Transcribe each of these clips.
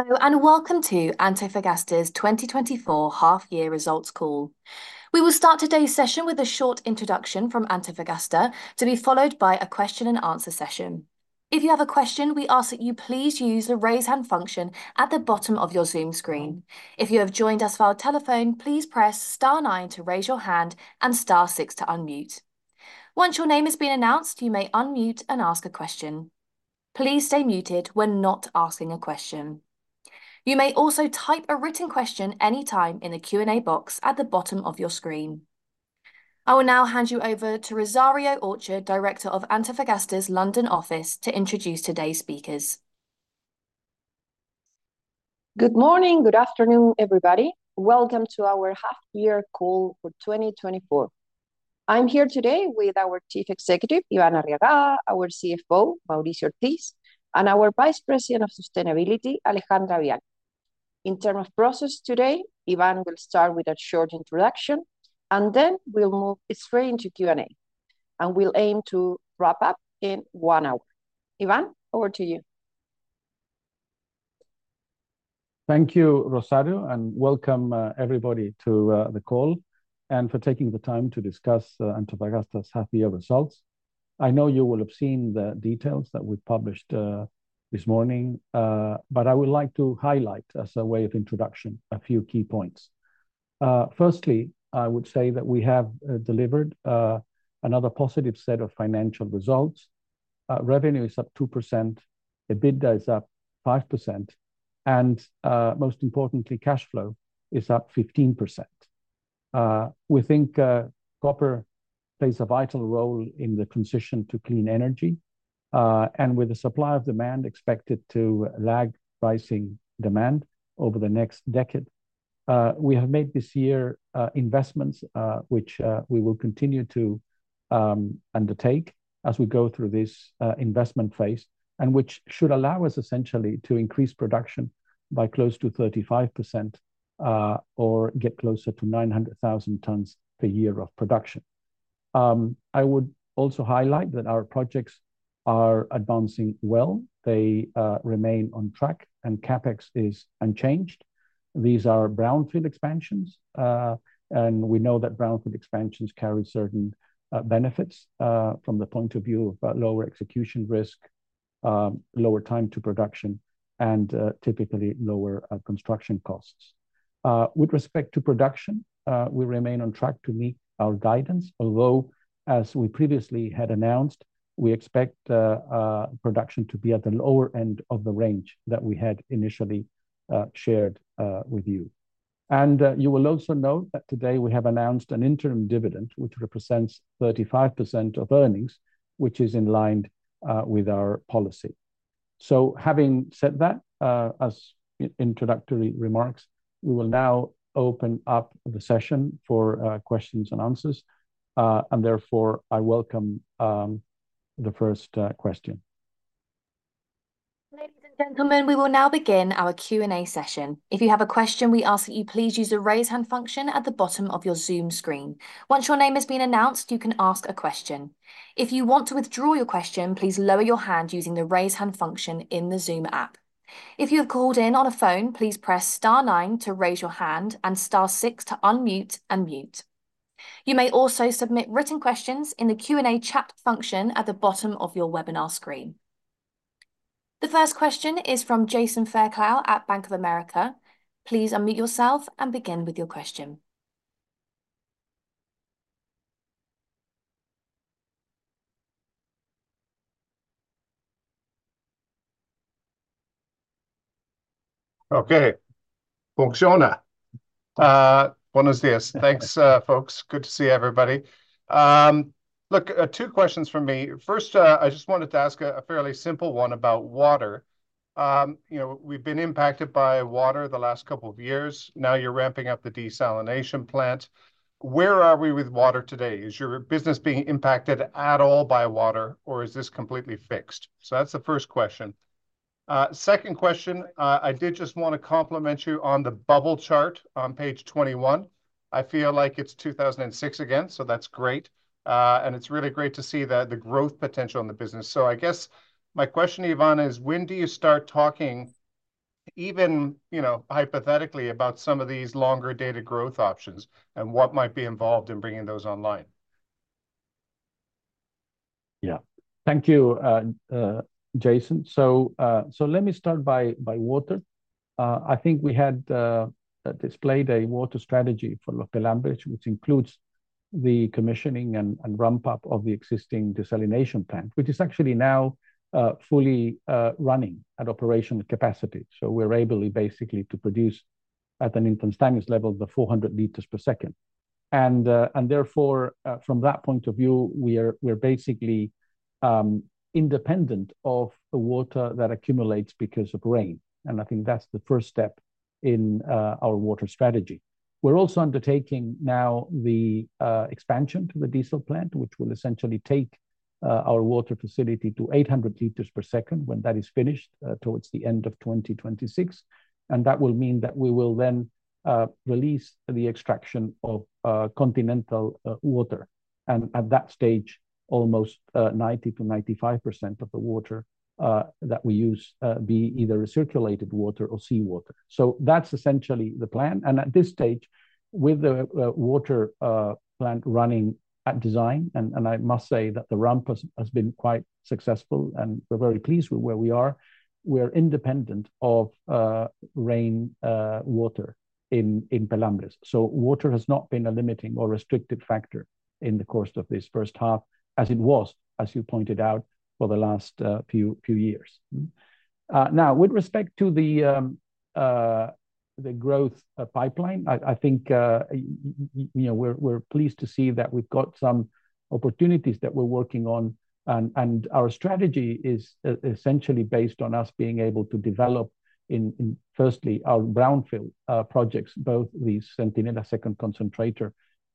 Hello, and welcome to Antofagasta's 2024 half-year results call. We will start today's session with a short introduction from Antofagasta, to be followed by a question and answer session. If you have a question, we ask that you please use the raise hand function at the bottom of your Zoom screen. If you have joined us via telephone, please press star nine to raise your hand and star six to unmute. Once your name has been announced, you may unmute and ask a question. Please stay muted when not asking a question. You may also type a written question anytime in the Q&A box at the bottom of your screen. I will now hand you over to Rosario Orchard, Director of Antofagasta's London office, to introduce today's speakers. Good morning, good afternoon, everybody. Welcome to our half-year call for 2024. I'm here today with our Chief Executive, Iván Arriagada, our CFO, Mauricio Ortiz, and our Vice President of Sustainability, Alejandra Vial. In terms of process today, Ivan will start with a short introduction, and then we'll move straight into Q&A, and we'll aim to wrap up in one hour. Ivan, over to you. Thank you, Rosario, and welcome, everybody to the call, and for taking the time to discuss Antofagasta's half-year results. I know you will have seen the details that we published this morning, but I would like to highlight, as a way of introduction, a few key points. Firstly, I would say that we have delivered another positive set of financial results. Revenue is up 2%, EBITDA is up 5%, and, most importantly, cash flow is up 15%. We think copper plays a vital role in the transition to clean energy, and with the supply of demand expected to lag pricing demand over the next decade, we have made this year investments, which we will continue to undertake as we go through this investment phase, and which should allow us essentially to increase production by close to 35%, or get closer to 900,000 tons per year of production. I would also highlight that our projects are advancing well. They remain on track, and CapEx is unchanged. These are brownfield expansions, and we know that brownfield expansions carry certain benefits, from the point of view of lower execution risk, lower time to production, and typically lower construction costs. With respect to production, we remain on track to meet our guidance, although, as we previously had announced, we expect production to be at the lower end of the range that we had initially shared with you. And you will also note that today we have announced an interim dividend, which represents 35% of earnings, which is in line with our policy. So having said that, as introductory remarks, we will now open up the session for questions and answers, and therefore, I welcome the first question. Ladies and gentlemen, we will now begin our Q&A session. If you have a question, we ask that you please use the raise hand function at the bottom of your Zoom screen. Once your name has been announced, you can ask a question. If you want to withdraw your question, please lower your hand using the raise hand function in the Zoom app. If you have called in on a phone, please press star nine to raise your hand and star six to unmute and mute. You may also submit written questions in the Q&A chat function at the bottom of your webinar screen. The first question is from Jason Fairclough at Bank of America. Please unmute yourself and begin with your question. Okay. Funciona? Buenos días. Thanks, folks. Good to see everybody. Look, two questions from me. First, I just wanted to ask a fairly simple one about water. You know, we've been impacted by water the last couple of years. Now you're ramping up the desalination plant. Where are we with water today? Is your business being impacted at all by water, or is this completely fixed? So that's the first question. Second question, I did just want to compliment you on the bubble chart on page 21. I feel like it's 2006 again, so that's great, and it's really great to see the growth potential in the business. I guess my question, Iván, is: When do you start talking, even, you know, hypothetically, about some of these longer-dated growth options, and what might be involved in bringing those online? Yeah. Thank you, Jason. So, let me start by water. I think we had displayed a water strategy for Los Pelambres, which includes the commissioning and ramp up of the existing desalination plant, which is actually now fully running at operational capacity. So we're able, basically, to produce at an instantaneous level 400 liters per second. And, therefore, from that point of view, we're basically independent of the water that accumulates because of rain, and I think that's the first step in our water strategy. We're also undertaking now the expansion to the desalination plant, which will essentially take our water facility to 800 liters per second when that is finished, towards the end of 2026, and that will mean that we will then release the extraction of continental water, and at that stage, almost 90%-95% of the water that we use be either recirculated water or seawater. That's essentially the plan, and at this stage, with the water plant running at design, and I must say that the ramp has been quite successful, and we're very pleased with where we are. We're independent of rain water in Pelambres. So water has not been a limiting or restrictive factor in the course of this first half, as it was, as you pointed out, for the last few years. Now, with respect to the growth pipeline, I think you know, we're pleased to see that we've got some opportunities that we're working on, and our strategy is essentially based on us being able to develop in firstly, our brownfield projects, both the Centinela second concentrator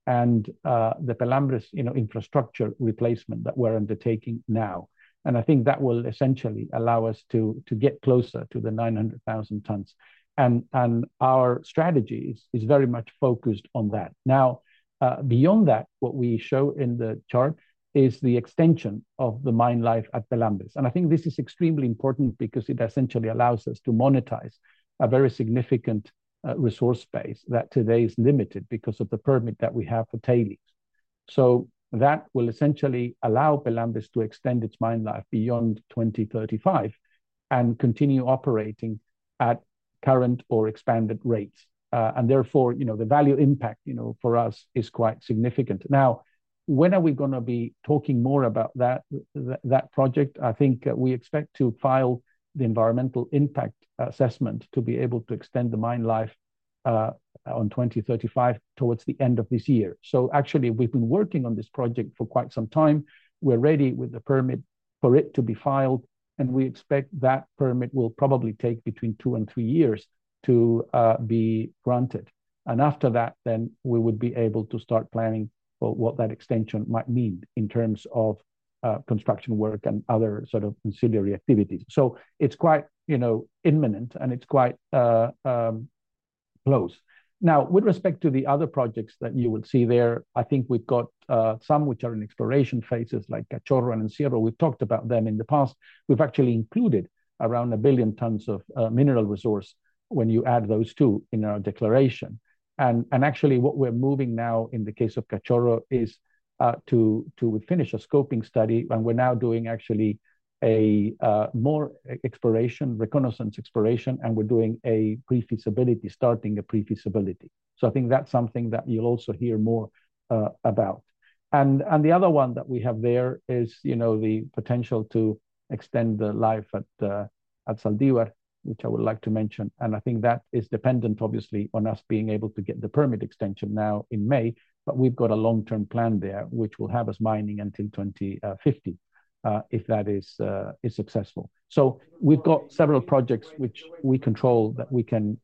and the Pelambres you know, infrastructure replacement that we're undertaking now. And I think that will essentially allow us to get closer to the nine hundred thousand tons. And our strategy is very much focused on that. Now, beyond that, what we show in the chart is the extension of the mine life at Los Pelambres, and I think this is extremely important because it essentially allows us to monetize a very significant resource base that today is limited because of the permit that we have for tailings. So that will essentially allow Los Pelambres to extend its mine life beyond twenty thirty-five, and continue operating at current or expanded rates. And therefore, you know, the value impact, you know, for us, is quite significant. Now, when are we gonna be talking more about that project? I think we expect to file the environmental impact assessment to be able to extend the mine life on twenty thirty-five towards the end of this year. So actually, we've been working on this project for quite some time. We're ready with the permit for it to be filed, and we expect that permit will probably take between two and three years to be granted. And after that, then we would be able to start planning for what that extension might mean in terms of construction work and other sort of ancillary activities. So it's quite, you know, imminent, and it's quite close. Now, with respect to the other projects that you would see there, I think we've got some which are in exploration phases, like Cachorro and Encierro. We've talked about them in the past. We've actually included around a billion tons of mineral resource when you add those two in our declaration. Actually, what we're moving now in the case of Cachorro is to finish a scoping study, and we're now doing actually a more exploration, reconnaissance exploration, and we're doing a pre-feasibility, starting a pre-feasibility. So I think that's something that you'll also hear more about. The other one that we have there is, you know, the potential to extend the life at Zaldívar, which I would like to mention, and I think that is dependent, obviously, on us being able to get the permit extension now in May. We've got a long-term plan there, which will have us mining until 2050 if that is successful. So we've got several projects which we control, that we can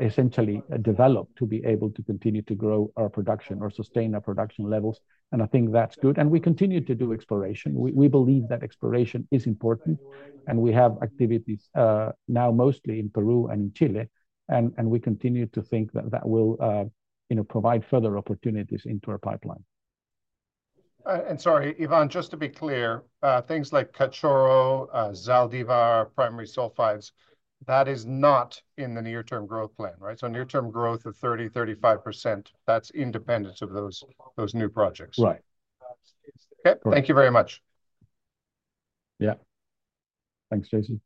essentially develop to be able to continue to grow our production or sustain our production levels, and I think that's good. And we continue to do exploration. We believe that exploration is important, and we have activities now mostly in Peru and in Chile, and we continue to think that that will you know provide further opportunities into our pipeline. And sorry, Ivan, just to be clear, things like Cachorro, Zaldívar, primary sulfides, that is not in the near-term growth plan, right? So near-term growth of 30-35%, that's independent of those new projects. Right. Okay. Correct. Thank you very much. Yeah. Thanks, Jason.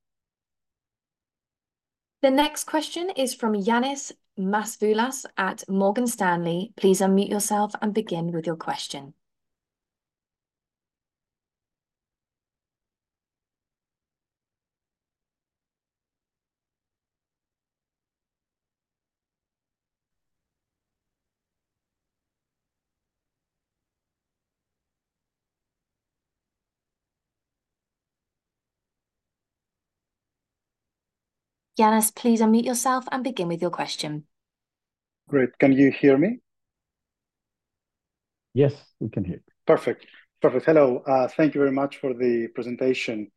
The next question is from Ioannis Masoulas at Morgan Stanley. Please unmute yourself and begin with your question. Ioannis, please unmute yourself and begin with your question. Great. Can you hear me? Yes, we can hear you. Perfect. Perfect. Hello, thank you very much for the presentation.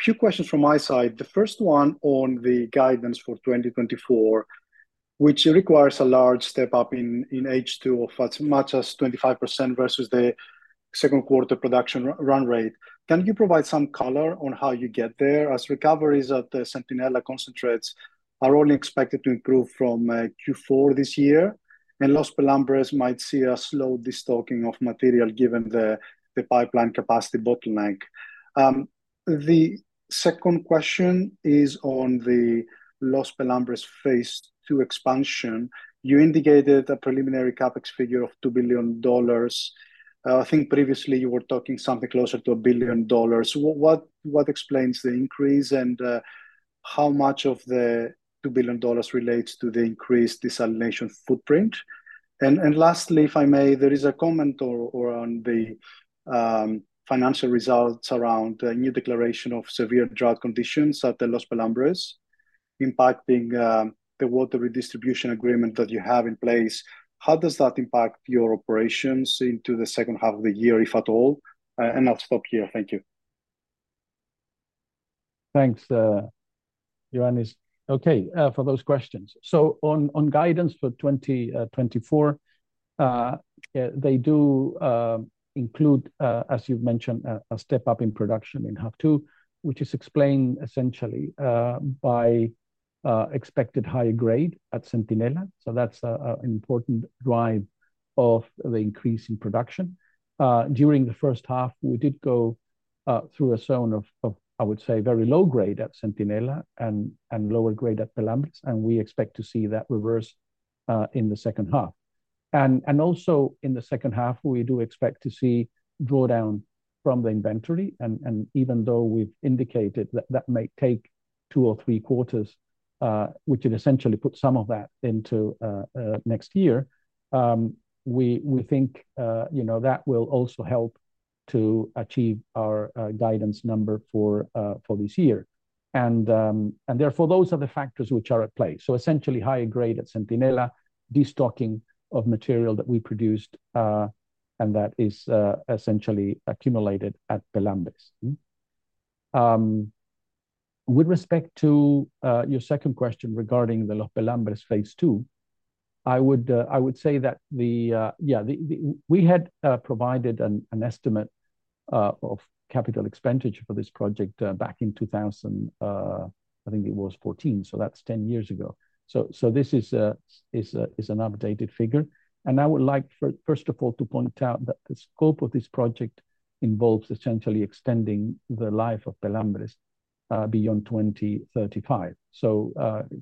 Few questions from my side. The first one on the guidance for 2024, which requires a large step-up in H2 of as much as 25% versus the second quarter production run rate. Can you provide some color on how you get there, as recoveries at the Centinela concentrates are only expected to improve from Q4 this year, and Los Pelambres might see a slow destocking of material, given the pipeline capacity bottleneck? The second question is on the Los Pelambres Phase 2 expansion. You indicated a preliminary CapEx figure of $2 billion. I think previously you were talking something closer to $1 billion. What explains the increase, and how much of the $2 billion relates to the increased desalination footprint? And lastly, if I may, there is a comment or on the financial results around a new declaration of severe drought conditions at the Los Pelambres, impacting the water redistribution agreement that you have in place. How does that impact your operations into the second half of the year, if at all? And I'll stop here. Thank you. Thanks, Ioannis. Okay, for those questions. So on guidance for 2024, yeah, they do include, as you've mentioned, a step up in production in half two, which is explained essentially by expected higher grade at Centinela. So that's an important drive of the increase in production. During the first half, we did go through a zone of, I would say, very low grade at Centinela and lower grade at Pelambres, and we expect to see that reverse in the second half. And also in the second half, we do expect to see draw down from the inventory, and even though we've indicated that may take two or three quarters, which would essentially put some of that into next year, we think, you know, that will also help to achieve our guidance number for this year. And therefore, those are the factors which are at play. So essentially higher grade at Centinela, destocking of material that we produced, and that is essentially accumulated at Pelambres. With respect to your second question regarding the Los Pelambres Phase 2, I would say that the... Yeah, we had provided an estimate of capital expenditure for this project back in 2014, so that's 10 years ago. So this is an updated figure. And I would like, first of all, to point out that the scope of this project involves essentially extending the life of Pelambres beyond 2035. So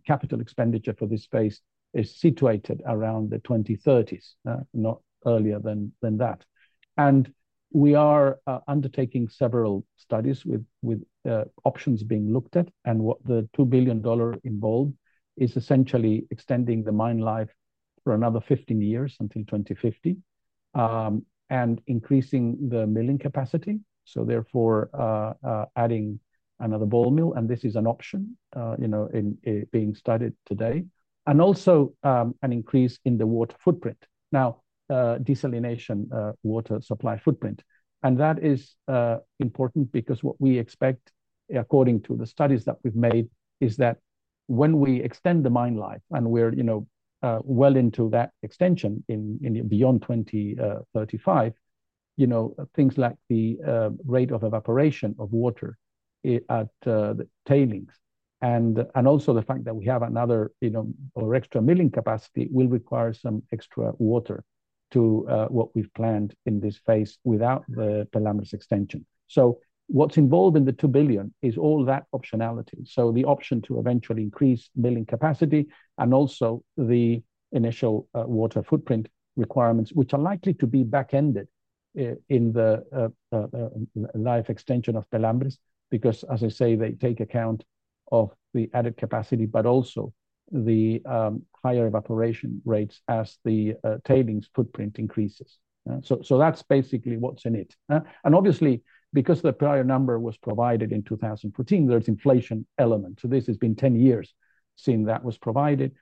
capital expenditure for this phase is situated around the 2030s, not earlier than that. And we are undertaking several studies with options being looked at, and what the $2 billion involved is essentially extending the mine life for another 15 years until 2050, and increasing the milling capacity, so therefore adding another ball mill, and this is an option, you know, in being studied today. And also, an increase in the water footprint. Now, desalination water supply footprint, and that is important because what we expect, according to the studies that we've made, is that when we extend the mine life, and we're, you know, well into that extension in, in beyond 2035, you know, things like the rate of evaporation of water at the tailings. And also the fact that we have another, you know, or extra milling capacity, will require some extra water to what we've planned in this phase without the Pelambres extension. So what's involved in the $2 billion is all that optionality. The option to eventually increase milling capacity, and also the initial water footprint requirements, which are likely to be backended in the life extension of Los Pelambres, because, as I say, they take account of the added capacity, but also the higher evaporation rates as the tailings footprint increases. That's basically what's in it, and obviously, because the prior number was provided in two thousand and fourteen, there's inflation element. This has been ten years since that was provided.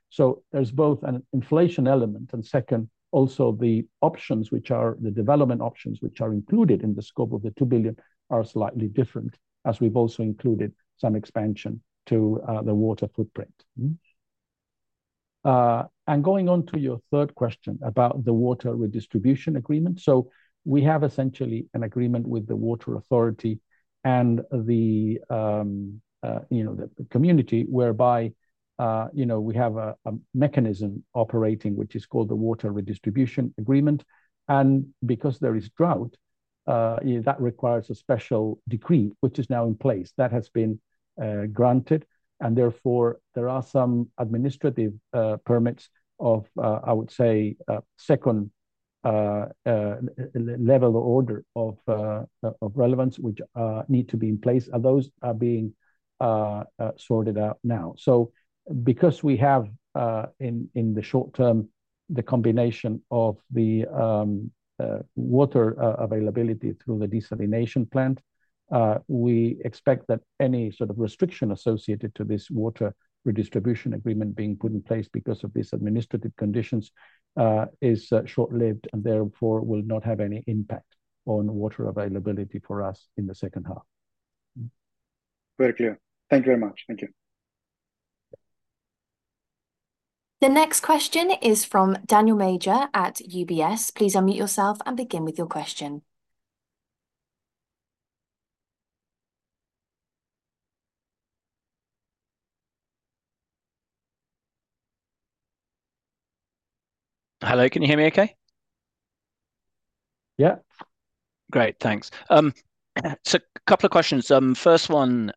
There's both an inflation element, and second, also the options, which are the development options, which are included in the scope of the $2 billion, are slightly different, as we've also included some expansion to the water footprint. Mm-hmm. And going on to your third question about the Water Redistribution Agreement. So we have essentially an agreement with the water authority and the, you know, the community, whereby, you know, we have a mechanism operating, which is called the Water Redistribution Agreement. And because there is drought, that requires a special decree, which is now in place, that has been granted, and therefore, there are some administrative permits of, I would say, a second level of order of, of relevance, which need to be in place, and those are being sorted out now. So, because we have in the short term the combination of the water availability through the desalination plant, we expect that any sort of restriction associated to this Water Redistribution Agreement being put in place because of these administrative conditions is short-lived, and therefore will not have any impact on water availability for us in the second half. Very clear. Thank you very much. Thank you. The next question is from Daniel Major at UBS. Please unmute yourself and begin with your question. Hello, can you hear me okay? Yeah. Great, thanks. So a couple of questions. First one,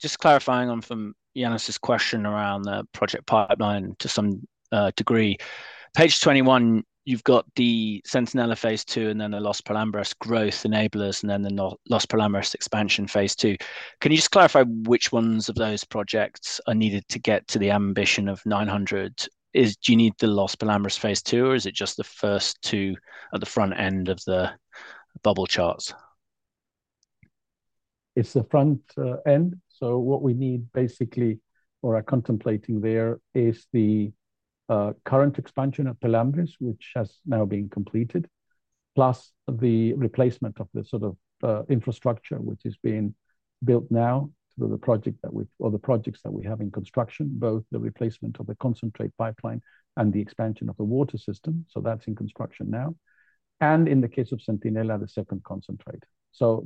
just clarifying on from Ioannis's question around the project pipeline to some degree. Page twenty-one, you've got the Centinela Phase Two, and then the Los Pelambres growth enablers, and then the Los Pelambres expansion, Phase Two. Can you just clarify which ones of those projects are needed to get to the ambition of nine hundred? Do you need the Los Pelambres Phase Two, or is it just the first two at the front end of the bubble charts? It's the front end, so what we need, basically, or are contemplating there, is the current expansion of Pelambres, which has now been completed, plus the replacement of the sort of infrastructure, which is being built now through the project that we, or the projects that we have in construction, both the replacement of the concentrate pipeline and the expansion of the water system, so that's in construction now, and in the case of Centinela, the second concentrator, so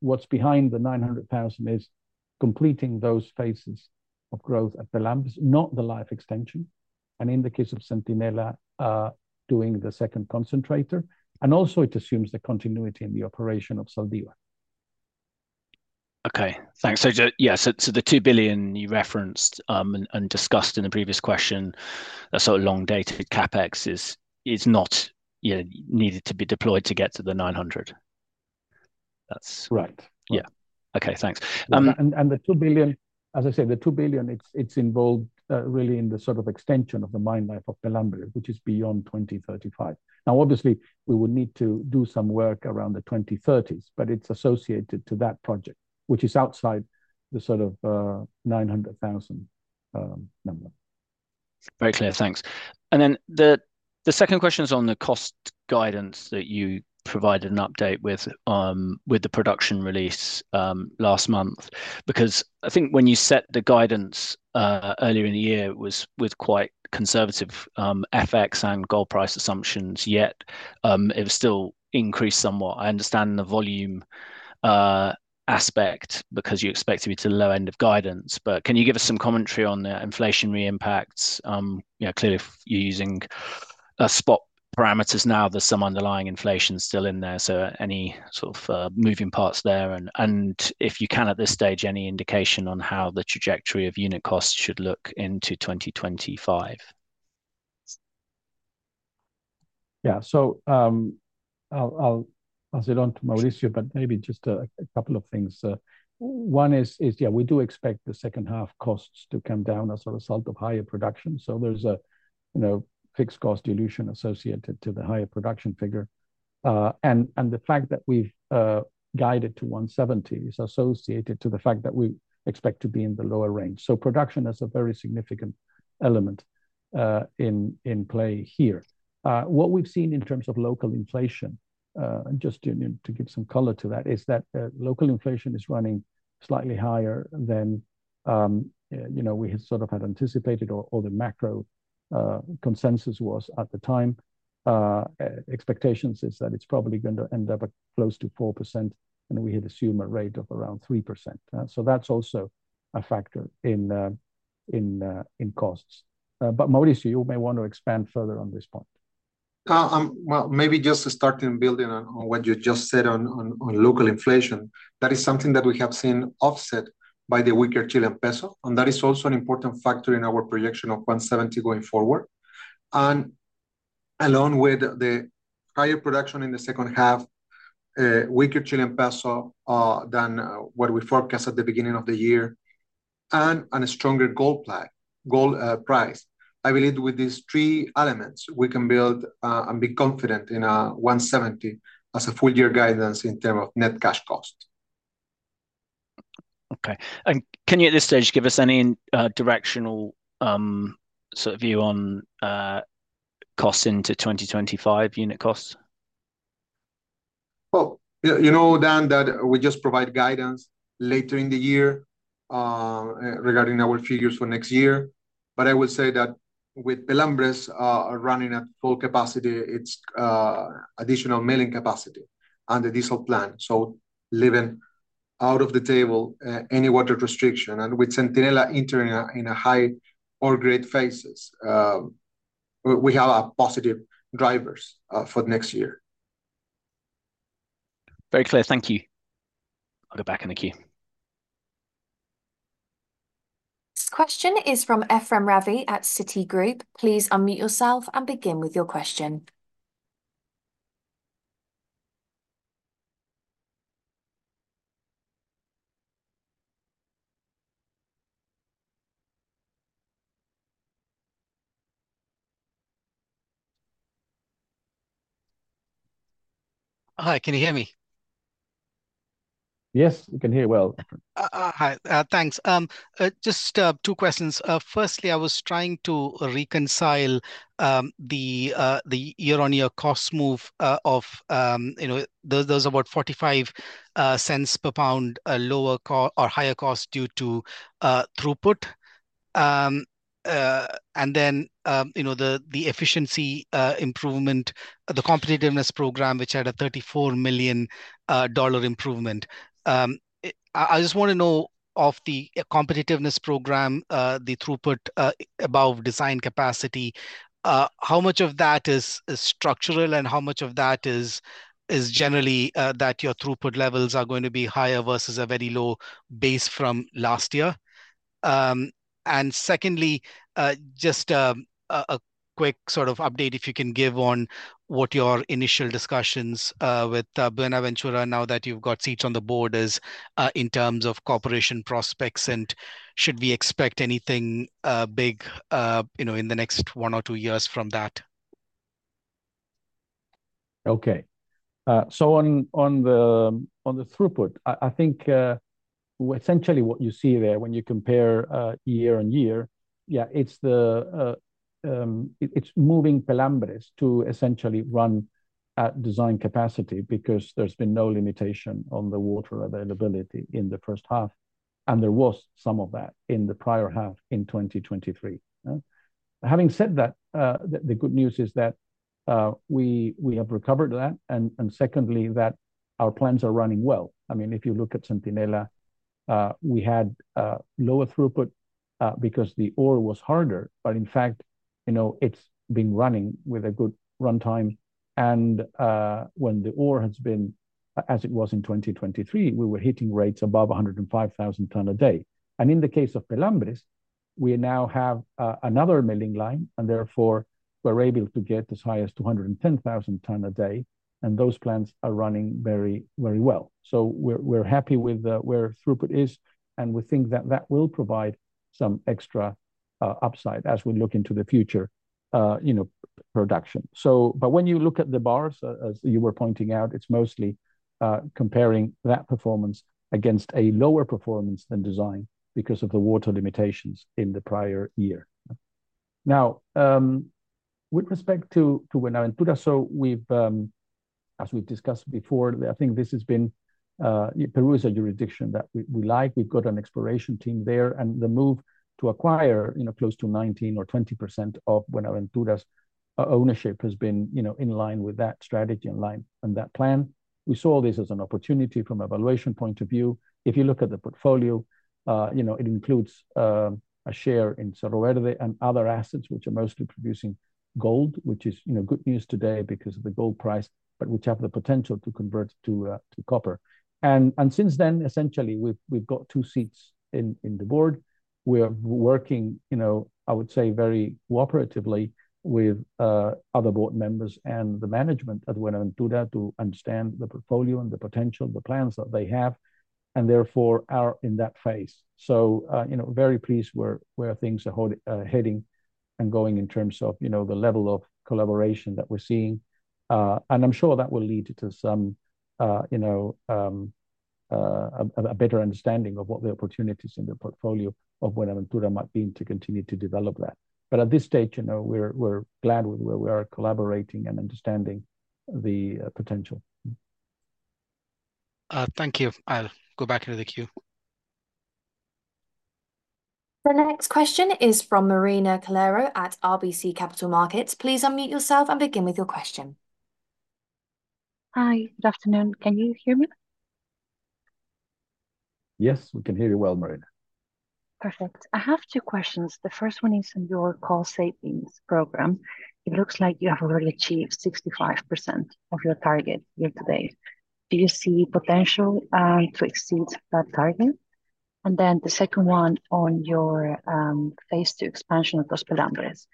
what's behind the nine hundred thousand is completing those phases of growth at Pelambres, not the life extension, and in the case of Centinela, doing the second concentrator. And also, it assumes the continuity in the operation of Zaldívar. Okay, thanks. So the $2 billion you referenced, and discussed in the previous question, a sort of long-dated CapEx is not, you know, needed to be deployed to get to the nine hundred. That's- Right. Yeah. Okay, thanks, As I said, the two billion, it's involved really in the sort of extension of the mine life of Pelambres, which is beyond twenty thirty-five. Now, obviously, we would need to do some work around the twenty thirties, but it's associated to that project, which is outside the sort of nine hundred thousand number. Very clear, thanks. And then the second question is on the cost guidance that you provided an update with the production release last month. Because I think when you set the guidance earlier in the year, it was with quite conservative FX and gold price assumptions, yet it was still increased somewhat. I understand the volume aspect, because you expect to be to the low end of guidance, but can you give us some commentary on the inflationary impacts? You know, clearly, if you're using spot parameters now, there's some underlying inflation still in there, so any sort of moving parts there? And if you can, at this stage, any indication on how the trajectory of unit costs should look into 2025? Yeah, so, I'll pass it on to Mauricio, but maybe just a couple of things. One is, yeah, we do expect the second half costs to come down as a result of higher production. So there's a, you know, fixed cost dilution associated to the higher production figure. And the fact that we've guided to one seventy is associated to the fact that we expect to be in the lower range. So production is a very significant element in play here. What we've seen in terms of local inflation, and just to give some color to that, is that local inflation is running slightly higher than, you know, we had sort of anticipated or the macro consensus was at the time. Expectations is that it's probably going to end up close to 4%, and we had assumed a rate of around 3%. So that's also a factor in costs. But Mauricio, you may want to expand further on this point. Maybe just to start in building on what you just said on local inflation. That is something that we have seen offset by the weaker Chilean peso, and that is also an important factor in our projection of $1.70 going forward. Along with the higher production in the second half, weaker Chilean peso than what we forecast at the beginning of the year, and a stronger gold price. I believe with these three elements, we can build and be confident in $1.70 as a full year guidance in terms of net cash cost. Okay, and can you, at this stage, give us any directional, sort of view on costs into 2025, unit costs? Well, you know, Dan, that we just provide guidance later in the year regarding our figures for next year. But I will say that with Pelambres running at full capacity, its additional milling capacity and the desal plant, leaving out of the equation any water restriction, and with Centinela entering in a higher grade phases, we have positive drivers for next year. Very clear. Thank you. I'll go back in the queue. This question is from Efrem Ravi at Citigroup. Please unmute yourself and begin with your question. Hi, can you hear me? Yes, we can hear you well. Hi, thanks. Just two questions. Firstly, I was trying to reconcile the year-on-year cost move of you know those about $0.45 per pound, a lower or higher cost due to throughput. And then you know the efficiency improvement, the competitiveness program, which had a $34 million dollar improvement. I just want to know, of the competitiveness program, the throughput above design capacity, how much of that is structural, and how much of that is generally that your throughput levels are going to be higher versus a very low base from last year? And secondly, just a quick sort of update, if you can give on what your initial discussions with Buenaventura, now that you've got seats on the board, is in terms of cooperation prospects, and should we expect anything big, you know, in the next one or two years from that? Okay, so on the throughput, I think essentially what you see there when you compare year on year, yeah, it's moving Pelambres to essentially run at design capacity, because there's been no limitation on the water availability in the first half, and there was some of that in the prior half in 2023, yeah. Having said that, the good news is that we have recovered that, and secondly, that our plants are running well. I mean, if you look at Centinela, we had lower throughput because the ore was harder, but in fact, you know, it's been running with a good runtime. When the ore has been as it was in 2023, we were hitting rates above one hundred and five thousand tonnes a day. In the case of Pelambres, we now have another milling line, and therefore we're able to get as high as 210,000 tonnes a day, and those plants are running very, very well. We're happy with where throughput is, and we think that will provide some extra upside as we look into the future, you know, production. But when you look at the bars, as you were pointing out, it's mostly comparing that performance against a lower performance than design because of the water limitations in the prior year. Now, with respect to Buenaventura, so we've, as we've discussed before, I think this has been Peru is a jurisdiction that we like. We've got an exploration team there, and the move to acquire, you know, close to 19 or 20% of Buenaventura's ownership has been, you know, in line with that strategy, in line on that plan. We saw this as an opportunity from a valuation point of view. If you look at the portfolio, you know, it includes a share in Cerro Verde and other assets, which are mostly producing gold, which is, you know, good news today because of the gold price, but which have the potential to convert to copper. Since then, essentially, we've got two seats in the board. We are working, you know, I would say, very cooperatively with other board members and the management at Buenaventura to understand the portfolio and the potential, the plans that they have, and therefore are in that phase. So, you know, very pleased where things are heading and going in terms of, you know, the level of collaboration that we're seeing. And I'm sure that will lead to some, you know, a better understanding of what the opportunities in the portfolio of Buenaventura might be to continue to develop that. But at this stage, you know, we're glad with where we are collaborating and understanding the potential. Thank you. I'll go back to the queue. The next question is from Marina Calero at RBC Capital Markets. Please unmute yourself and begin with your question. Hi, good afternoon. Can you hear me? Yes, we can hear you well, Marina. Perfect. I have two questions. The first one is on your cost savings program. It looks like you have already achieved 65% of your target year to date. Do you see potential to exceed that target? And then the second one on your phase two expansion of Los Pelambres.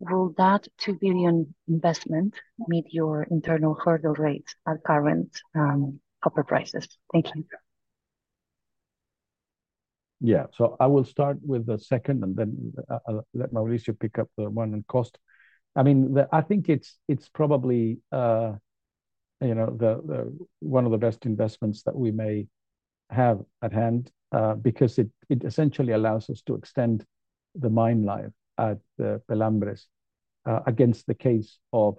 Will that $2 billion investment meet your internal hurdle rates at current copper prices? Thank you. Yeah. So I will start with the second, and then I'll let Mauricio pick up the one on cost. I mean, I think it's probably, you know, the one of the best investments that we may have at hand, because it essentially allows us to extend the mine life at the Pelambres, against the case of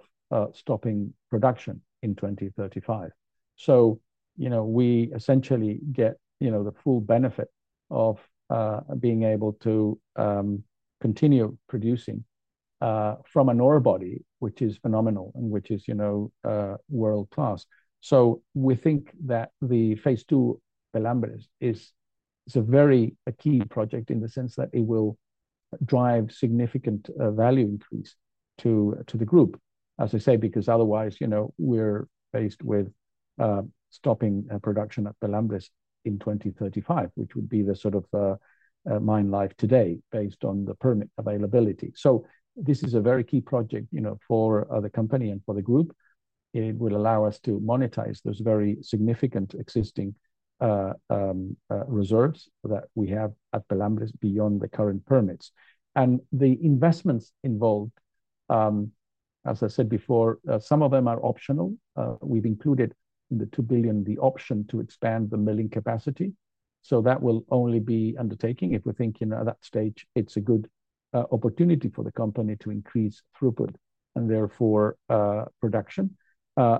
stopping production in 2035. So, you know, we essentially get the full benefit of being able to continue producing from an ore body, which is phenomenal and which is, you know, world-class. So we think that the phase two Pelambres is a very key project in the sense that it will drive significant value increase to the group, as I say, because otherwise, you know, we're faced with stopping production at Pelambres in 2035, which would be the sort of mine life today based on the permit availability. So this is a very key project, you know, for the company and for the group. It will allow us to monetize those very significant existing reserves that we have at Pelambres beyond the current permits. And the investments involved, as I said before, some of them are optional. We've included in the $2 billion the option to expand the milling capacity, so that will only be undertaking if we think, you know, at that stage, it's a good opportunity for the company to increase throughput, and therefore production,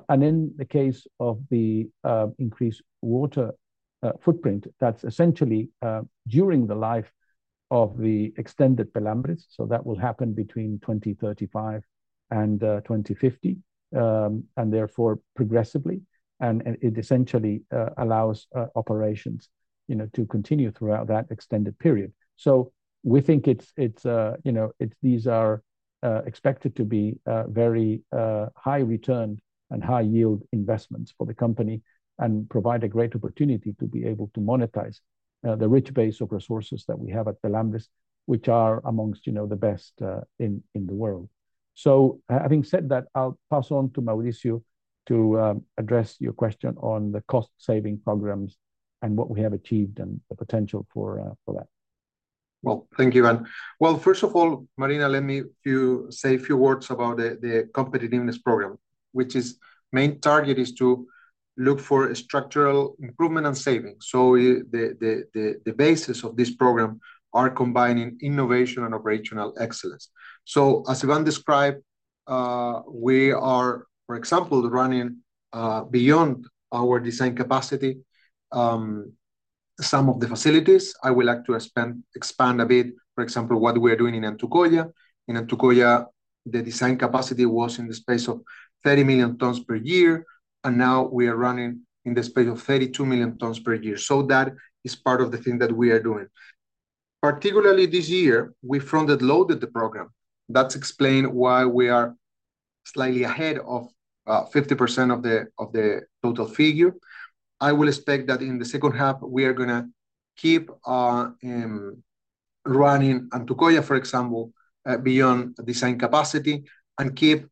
and in the case of the increased water footprint, that's essentially during the life of the extended Pelambres, so that will happen between 2035 and 2050, and therefore progressively, and it essentially allows operations, you know, to continue throughout that extended period. So we think it's you know these are expected to be very high return and high yield investments for the company and provide a great opportunity to be able to monetize the rich base of resources that we have at Pelambres, which are amongst you know the best in the world. So having said that, I'll pass on to Mauricio to address your question on the cost saving programs and what we have achieved and the potential for that. Thank you, and first of all, Marina, let me say a few words about the competitiveness program, which is main target is to look for a structural improvement and savings. So the basis of this program are combining innovation and operational excellence. So as Ivan described, we are, for example, running beyond our design capacity some of the facilities. I would like to expand a bit, for example, what we are doing in Antucoya. In Antucoya, the design capacity was in the space of 30 million tons per year, and now we are running in the space of 32 million tons per year. So that is part of the thing that we are doing. Particularly this year, we fronted loaded the program. That's explain why we are slightly ahead of 50% of the total figure. I will expect that in the second half we are gonna keep running Antucoya, for example, beyond design capacity and keep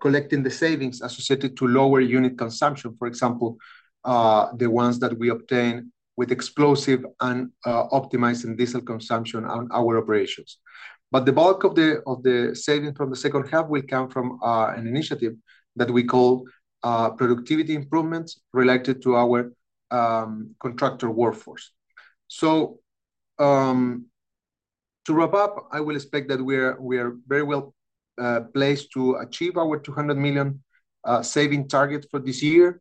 collecting the savings associated to lower unit consumption. For example, the ones that we obtain with explosive and optimizing diesel consumption on our operations. But the bulk of the savings from the second half will come from an initiative that we call productivity improvements related to our contractor workforce. So, to wrap up, I will expect that we're very well placed to achieve our $200 million saving target for this year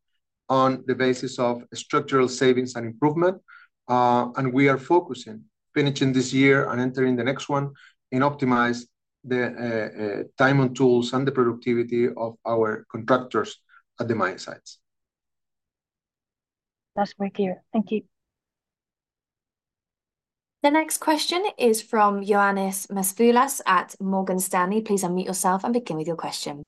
on the basis of structural savings and improvement. And we are focusing, finishing this year and entering the next one, in optimize the time and tools and the productivity of our contractors at the mine sites. That's very clear. Thank you. The next question is from Ioannis Masoulas at Morgan Stanley. Please unmute yourself and begin with your question.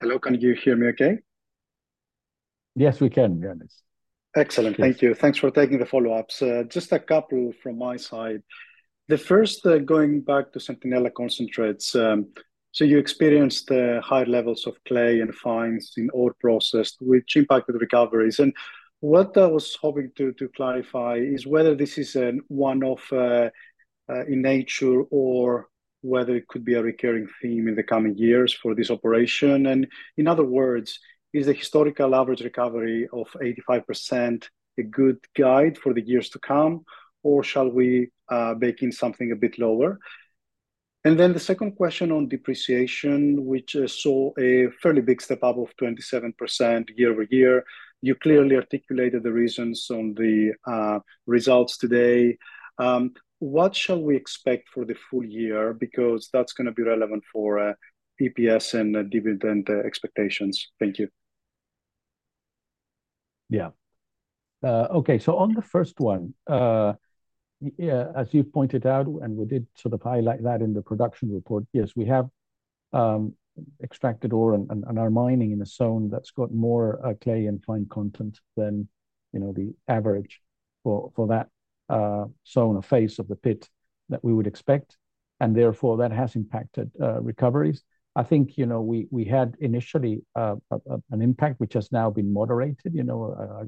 Hello, can you hear me okay? Yes, we can, Ioannis. Excellent. Yes. Thank you. Thanks for taking the follow-ups. Just a couple from my side. The first, going back to Centinela concentrates, so you experienced the high levels of clay and fines in ore processed, which impacted the recoveries, and what I was hoping to clarify is whether this is an one-off in nature, or whether it could be a recurring theme in the coming years for this operation, and in other words, is the historical average recovery of 85% a good guide for the years to come, or shall we bake in something a bit lower? Then the second question on depreciation, which saw a fairly big step-up of 27% year over year. You clearly articulated the reasons on the results today. What shall we expect for the full year? Because that's gonna be relevant for PPS and dividend expectations. Thank you. Yeah. Okay, so on the first one, yeah, as you've pointed out, and we did sort of highlight that in the production report, yes, we have extracted ore and are mining in a zone that's got more clay and fine content than, you know, the average for that zone or face of the pit that we would expect, and therefore, that has impacted recoveries. I think, you know, we had initially an impact which has now been moderated. You know,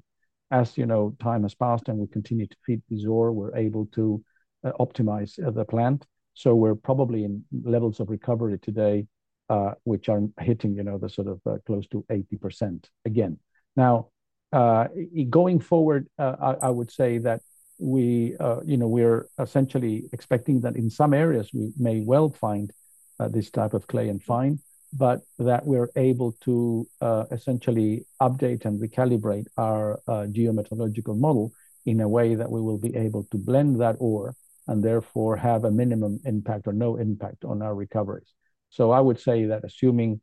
as you know, time has passed, and we continue to feed this ore, we're able to optimize the plant. So we're probably in levels of recovery today, which are hitting, you know, the sort of close to 80% again. Now, going forward, I would say that we, you know, we're essentially expecting that in some areas we may well find this type of clay and fine, but that we're able to essentially update and recalibrate our geometallurgical model in a way that we will be able to blend that ore, and therefore, have a minimum impact or no impact on our recoveries. So I would say that assuming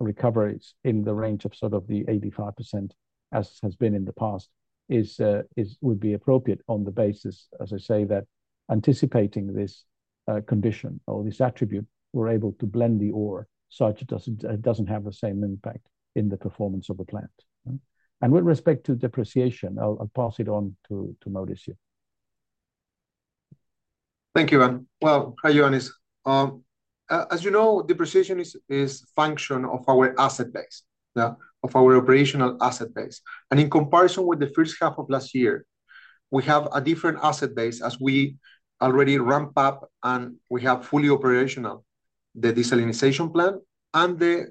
recoveries in the range of sort of the 85%, as has been in the past, would be appropriate on the basis, as I say, that anticipating this condition or this attribute, we're able to blend the ore, so it doesn't have the same impact in the performance of the plant. And with respect to depreciation, I'll pass it on to Mauricio. Thank you, and well, hi, Ioannis. As you know, depreciation is function of our asset base, yeah, of our operational asset base. And in comparison with the first half of last year, we have a different asset base as we already ramp up, and we have fully operational the desalination plant and the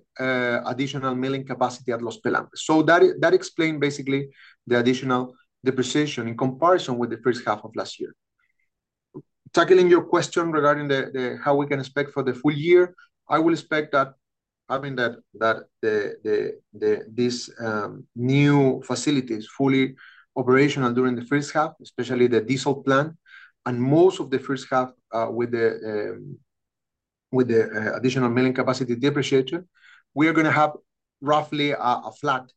additional milling capacity at Los Pelambres. So that explain basically the additional depreciation in comparison with the first half of last year. Tackling your question regarding how we can expect for the full year, I will expect that, having this new facilities fully operational during the first half, especially the desalination plant, and most of the first half with the additional milling capacity depreciated, we are gonna have roughly a flat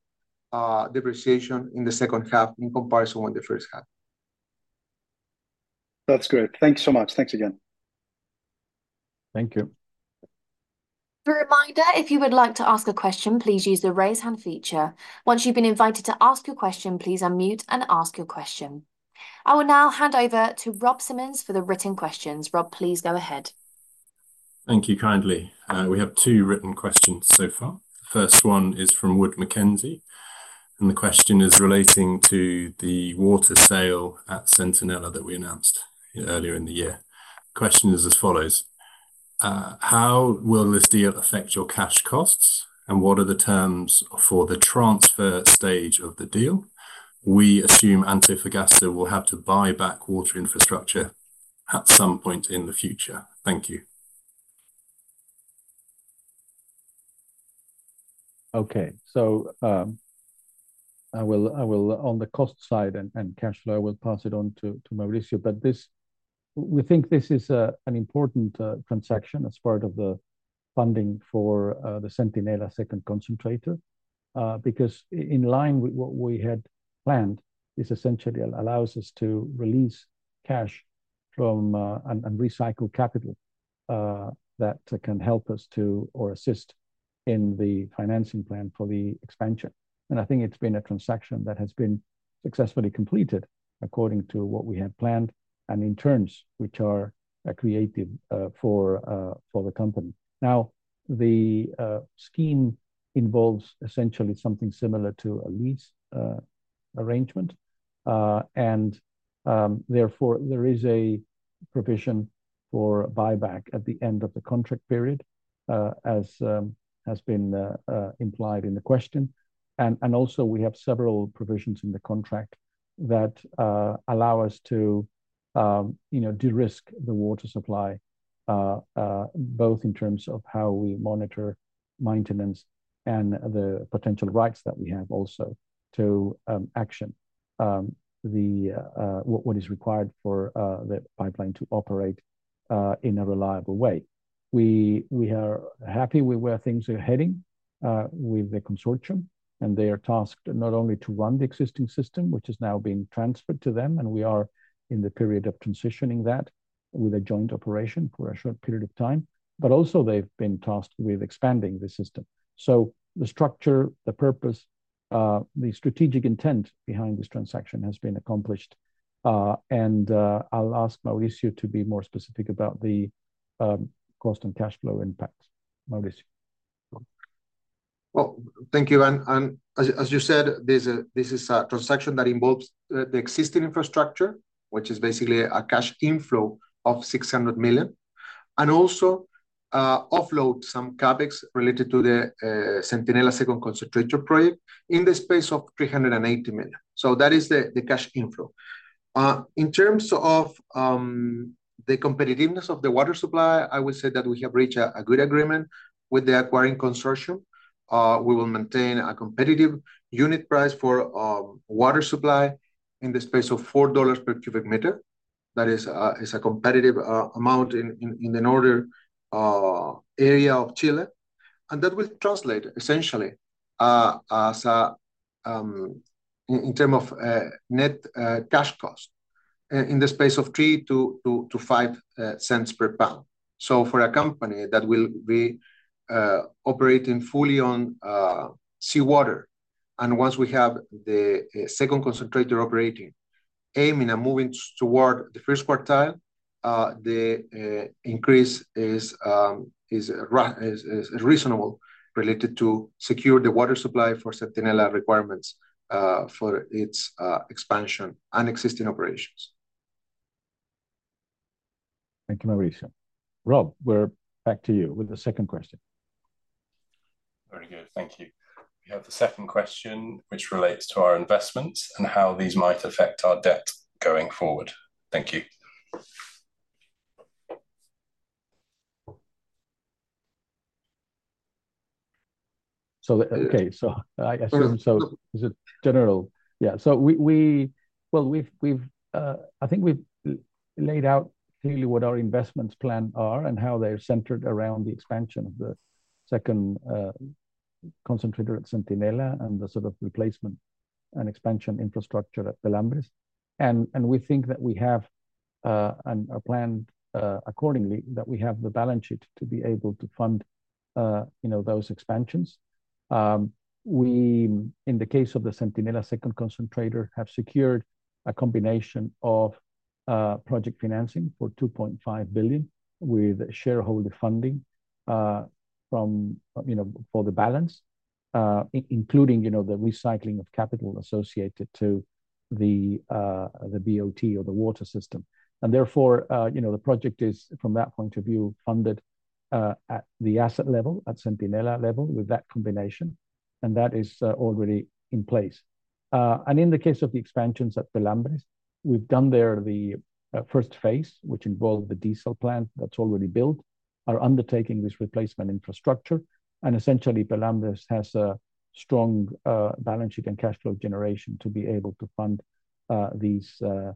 depreciation in the second half in comparison with the first half. That's great. Thank you so much. Thanks again. Thank you. A reminder, if you would like to ask a question, please use the Raise Hand feature. Once you've been invited to ask your question, please unmute and ask your question. I will now hand over to Rob Simmons for the written questions. Rob, please go ahead.... Thank you kindly. We have two written questions so far. The first one is from Wood Mackenzie, and the question is relating to the water sale at Centinela that we announced earlier in the year. Question is as follows: How will this deal affect your cash costs, and what are the terms for the transfer stage of the deal? We assume Antofagasta will have to buy back water infrastructure at some point in the future. Thank you. Okay. So I will on the cost side and cash flow pass it on to Mauricio, but this we think this is an important transaction as part of the funding for the Centinela second concentrator because in line with what we had planned, this essentially allows us to release cash from and recycle capital that can help us to or assist in the financing plan for the expansion. I think it's been a transaction that has been successfully completed according to what we had planned, and in terms which are creative for the company. Now, the scheme involves essentially something similar to a lease arrangement, and therefore, there is a provision for buyback at the end of the contract period, as has been implied in the question. And also, we have several provisions in the contract that allow us to, you know, de-risk the water supply, both in terms of how we monitor maintenance and the potential rights that we have also to action what is required for the pipeline to operate in a reliable way. We are happy with where things are heading with the consortium, and they are tasked not only to run the existing system, which is now being transferred to them, and we are in the period of transitioning that with a joint operation for a short period of time, but also they've been tasked with expanding the system. The structure, the purpose, the strategic intent behind this transaction has been accomplished, and I'll ask Mauricio to be more specific about the cost and cash flow impacts. Mauricio? Thank you. As you said, this is a transaction that involves the existing infrastructure, which is basically a cash inflow of $600 million, and also offload some CapEx related to the Centinela second concentrator project in the space of $380 million. That is the cash inflow. In terms of the competitiveness of the water supply, I would say that we have reached a good agreement with the acquiring consortium. We will maintain a competitive unit price for water supply in the space of $4 per cubic meter. That is a competitive amount in the northern area of Chile, and that will translate essentially as in term of net cash cost in the space of $0.03-$0.05 per pound, so for a company that will be operating fully on seawater, and once we have the second concentrator operating, aiming and moving toward the first quartile, the increase is reasonable related to secure the water supply for Centinela requirements for its expansion and existing operations. Thank you, Mauricio. Rob, we're back to you with the second question. Very good, thank you. We have the second question, which relates to our investments and how these might affect our debt going forward. Thank you. So, okay. So I assume, so is it general? Yeah, so we. Well, I think we've laid out clearly what our investments plan are and how they're centered around the expansion of the second concentrator at Centinela and the sort of replacement and expansion infrastructure at Pelambres. And we think that we have and a plan accordingly, that we have the balance sheet to be able to fund you know those expansions. We, in the case of the Centinela second concentrator, have secured a combination of project financing for $2.5 billion, with shareholder funding from you know for the balance including you know the recycling of capital associated to the BOT or the water system. And therefore, you know, the project is, from that point of view, funded, at the asset level, at Centinela level, with that combination, and that is, already in place. And in the case of the expansions at Pelambres, we've done there the, first phase, which involved the diesel plant that's already built, are undertaking this replacement infrastructure, and essentially, Pelambres has a strong, balance sheet and cash flow generation to be able to fund, these, you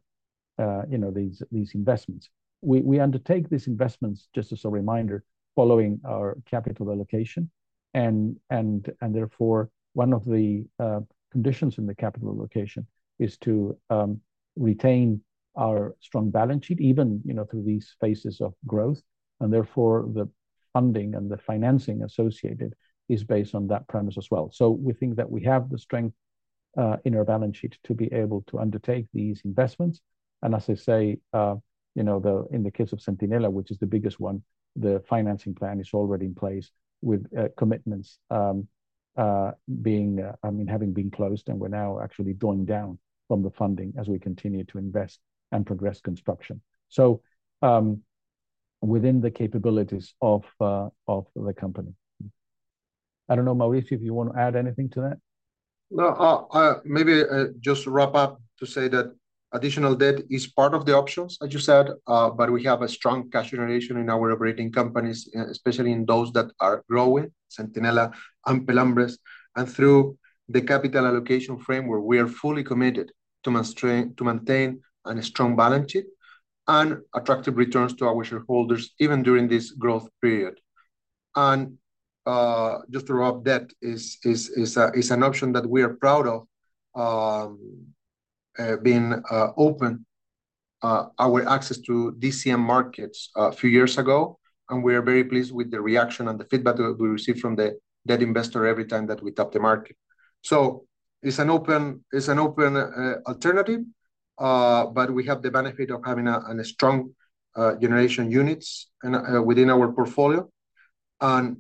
know, these investments. We undertake these investments, just as a reminder, following our capital allocation, and therefore, one of the, conditions in the capital allocation is to, retain our strong balance sheet, even, you know, through these phases of growth, and therefore, the funding and the financing associated is based on that premise as well. So we think that we have the strength in our balance sheet to be able to undertake these investments. And as I say, you know, in the case of Centinela, which is the biggest one, the financing plan is already in place with commitments, being, I mean, having been closed, and we're now actually drawing down from the funding as we continue to invest and progress construction. So, within the capabilities of the company. I don't know, Mauricio, if you want to add anything to that? No, maybe just to wrap up to say that additional debt is part of the options, as you said. But we have a strong cash generation in our operating companies, especially in those that are growing, Centinela and Pelambres. And through the capital allocation framework, we are fully committed to maintain a strong balance sheet and attractive returns to our shareholders, even during this growth period. And just to wrap, debt is an option that we are proud of being open our access to DCM markets a few years ago, and we are very pleased with the reaction and the feedback that we receive from the debt investor every time that we tap the market. So it's an open alternative, but we have the benefit of having a strong generation units and within our portfolio. And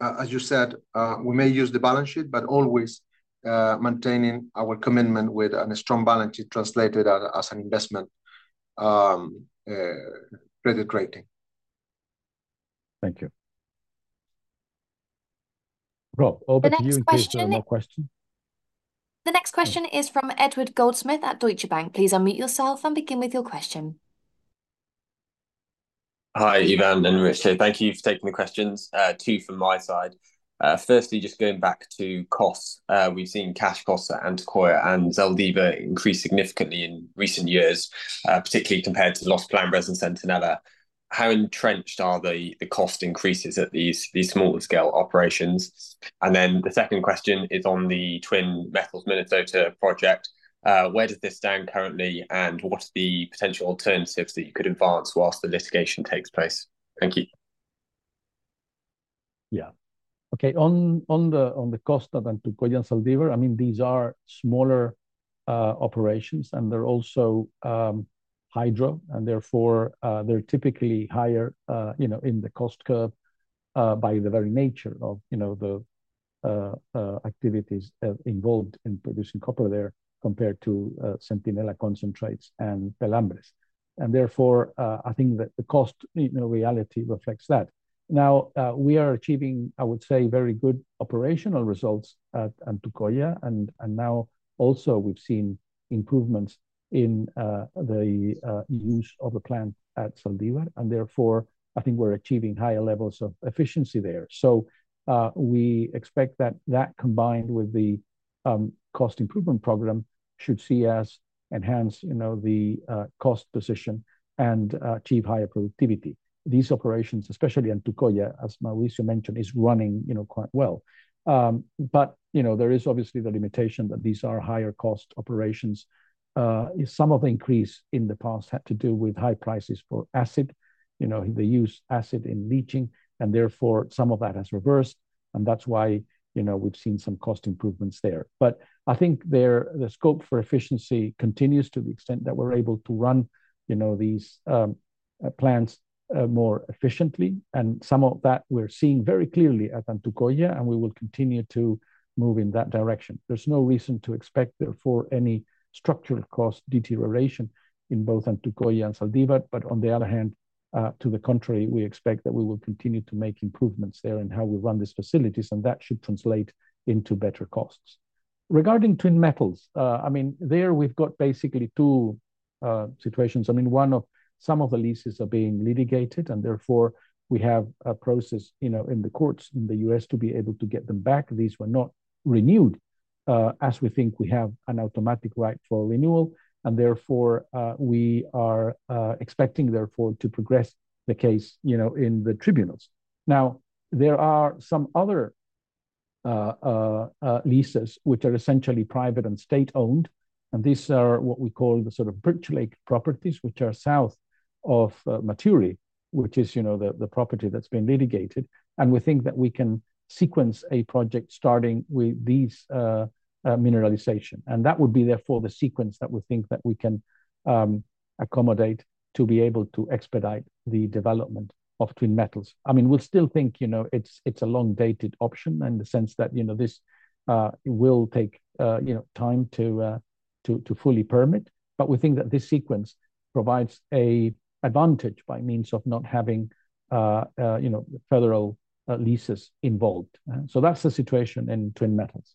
as you said, we may use the balance sheet, but always maintaining our commitment with a strong balance sheet translated as an investment credit rating. Thank you. Rob, over to you- The next question- In case there are more questions. The next question is from Edward Goldsmith at Deutsche Bank. Please unmute yourself and begin with your question. Hi, Ivan and Richard. Thank you for taking the questions. Two from my side. Firstly, just going back to costs. We've seen cash costs at Antucoya and Zaldívar increase significantly in recent years, particularly compared to Los Pelambres and Centinela. How entrenched are the cost increases at these smaller scale operations? And then the second question is on the Twin Metals Minnesota project. Where does this stand currently, and what are the potential alternatives that you could advance while the litigation takes place? Thank you. Yeah. Okay, on the cost of Antucoya and Zaldívar, I mean, these are smaller operations, and they're also hydro, and therefore they're typically higher, you know, in the cost curve, by the very nature of, you know, the activities involved in producing copper there, compared to Centinela concentrates and Pelambres. And therefore I think that the cost, in reality, reflects that. Now we are achieving, I would say, very good operational results at Antucoya, and now also we've seen improvements in the use of the plant at Zaldívar, and therefore I think we're achieving higher levels of efficiency there. So we expect that that, combined with the cost improvement program, should see us enhance, you know, the cost position and achieve higher productivity. These operations, especially Antucoya, as Mauricio mentioned, is running, you know, quite well. But, you know, there is obviously the limitation that these are higher cost operations. Some of the increase in the past had to do with high prices for acid. You know, they use acid in leaching, and therefore, some of that has reversed, and that's why, you know, we've seen some cost improvements there. But I think there, the scope for efficiency continues to the extent that we're able to run, you know, these plants more efficiently, and some of that we're seeing very clearly at Antucoya, and we will continue to move in that direction. There's no reason to expect, therefore, any structural cost deterioration in both Antucoya and Zaldívar. But on the other hand, to the contrary, we expect that we will continue to make improvements there in how we run these facilities, and that should translate into better costs. Regarding Twin Metals, I mean, there we've got basically two situations. I mean, one of some of the leases are being litigated, and therefore, we have a process, you know, in the courts in the U.S. to be able to get them back. These were not renewed, as we think we have an automatic right for renewal. And therefore, we are expecting, therefore, to progress the case, you know, in the tribunals. Now, there are some other leases which are essentially private and state-owned, and these are what we call the sort of Birch Lake properties, which are south of Maturi, which is, you know, the property that's been litigated, and we think that we can sequence a project starting with these mineralization, and that would be therefore the sequence that we think that we can accommodate to be able to expedite the development of Twin Metals. I mean, we still think, you know, it's a long-dated option in the sense that, you know, this will take, you know, time to fully permit, but we think that this sequence provides a advantage by means of not having, you know, federal leases involved. So that's the situation in Twin Metals.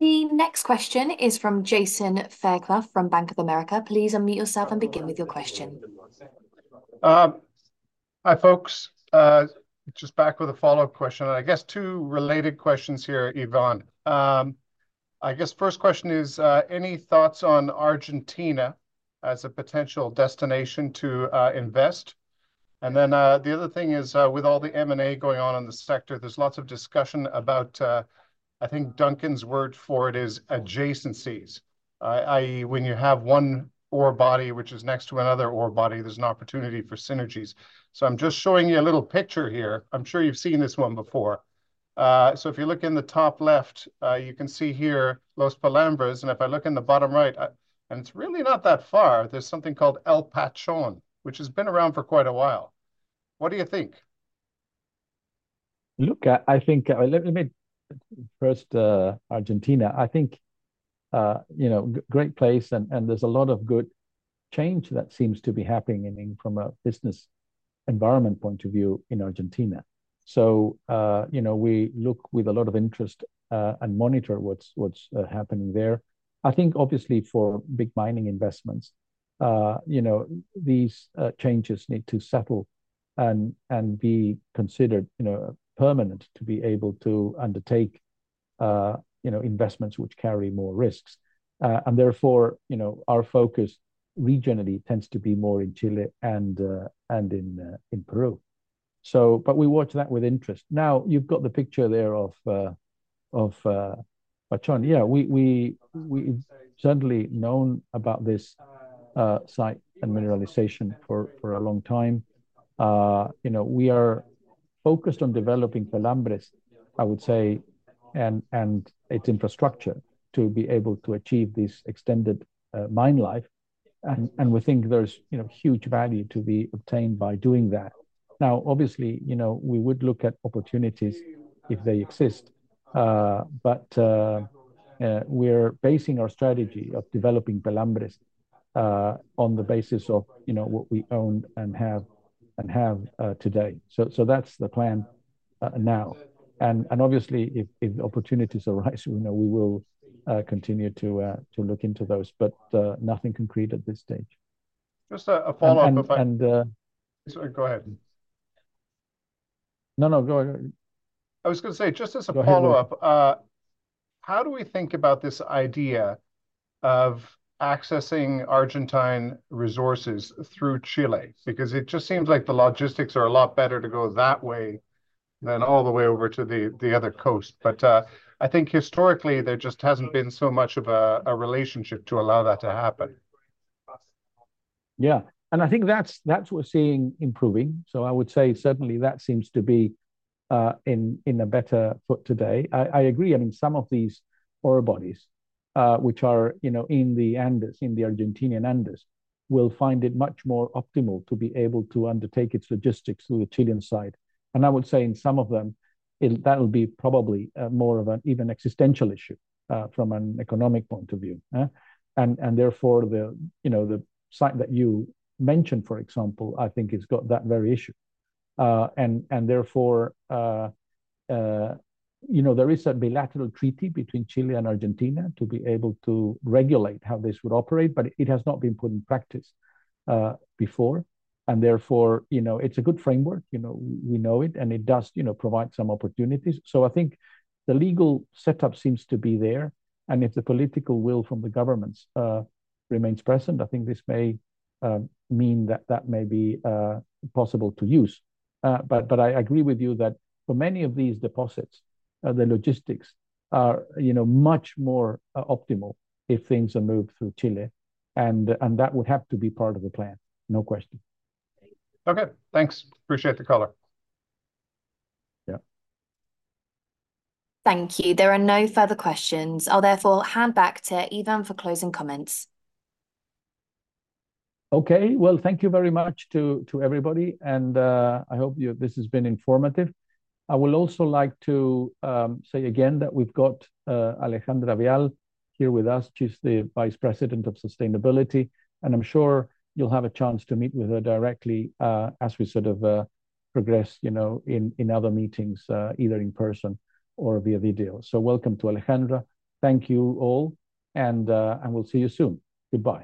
The next question is from Jason Fairclough from Bank of America. Please unmute yourself and begin with your question. Hi, folks. Just back with a follow-up question, and I guess two related questions here, Iván. I guess first question is, any thoughts on Argentina as a potential destination to invest? And then, the other thing is, with all the M&A going on in the sector, there's lots of discussion about, I think Duncan's word for it is adjacencies. I.e., when you have one ore body, which is next to another ore body, there's an opportunity for synergies. So I'm just showing you a little picture here. I'm sure you've seen this one before. So if you look in the top left, you can see here Los Pelambres, and if I look in the bottom right, and it's really not that far, there's something called El Pachón, which has been around for quite a while. What do you think? Look, I think, let me first, Argentina, I think, you know, great place, and there's a lot of good change that seems to be happening, I mean, from a business environment point of view in Argentina. So, you know, we look with a lot of interest, and monitor what's happening there. I think obviously for big mining investments, you know, these changes need to settle and be considered, you know, permanent to be able to undertake, you know, investments which carry more risks. And therefore, you know, our focus regionally tends to be more in Chile and in Peru. But we watch that with interest. Now, you've got the picture there of Pachón. Yeah, we've certainly known about this site and mineralization for a long time. You know, we are focused on developing Los Pelambres, I would say, and its infrastructure to be able to achieve this extended mine life, and we think there's you know, huge value to be obtained by doing that. Now, obviously, you know, we would look at opportunities if they exist, but we're basing our strategy of developing Los Pelambres on the basis of you know, what we own and have today. So that's the plan now, and obviously, if opportunities arise, you know, we will continue to look into those, but nothing concrete at this stage. Just a follow-up if I- And, uh- Sorry, go ahead. No, no, go ahead. I was gonna say, just as a follow-up- Go ahead How do we think about this idea of accessing Argentine resources through Chile? Because it just seems like the logistics are a lot better to go that way than all the way over to the other coast. But I think historically, there just hasn't been so much of a relationship to allow that to happen. Yeah, and I think that's what we're seeing improving. So I would say certainly that seems to be in a better foot today. I agree. I mean, some of these ore bodies, which are, you know, in the Andes, in the Argentinian Andes, will find it much more optimal to be able to undertake its logistics through the Chilean side. And I would say in some of them, that'll be probably more of an even existential issue from an economic point of view, huh? And therefore, you know, the site that you mentioned, for example, I think has got that very issue. And therefore, you know, there is a bilateral treaty between Chile and Argentina to be able to regulate how this would operate, but it has not been put in practice, before, and therefore, you know, it's a good framework. You know, we know it, and it does, you know, provide some opportunities. So I think the legal setup seems to be there, and if the political will from the governments remains present, I think this may mean that that may be possible to use. But I agree with you that for many of these deposits, the logistics are, you know, much more optimal if things are moved through Chile, and that would have to be part of the plan, no question. Okay, thanks. Appreciate the color. Yeah. Thank you. There are no further questions. I'll therefore hand back to Iván for closing comments. Okay. Well, thank you very much to everybody, and I hope you... This has been informative. I would also like to say again that we've got Alejandra Vial here with us. She's the Vice President of Sustainability, and I'm sure you'll have a chance to meet with her directly, as we sort of progress, you know, in other meetings, either in person or via video. So welcome to Alejandra. Thank you all, and we'll see you soon. Goodbye.